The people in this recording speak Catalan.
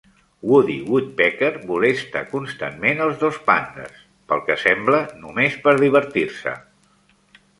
Woody Woodpecker molesta constantment als dos pandes, pel que sembla només per divertir-se.